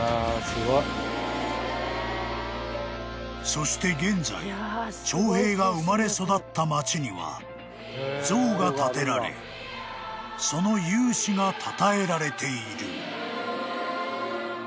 ［そして現在長平が生まれ育った町には像が建てられその雄姿がたたえられている］